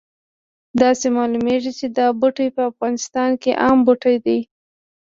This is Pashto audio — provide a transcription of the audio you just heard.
داسې معلومیږي چې دا بوټی په افغانستان کې عام بوټی دی